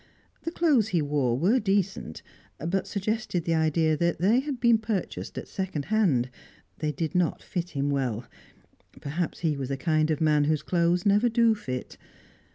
The clothes he wore were decent, but suggested the idea that they had been purchased at second hand; they did not fit him well; perhaps he was the kind of man whose clothes never do fit.